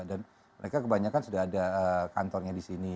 dan mereka kebanyakan sudah ada kantornya di sini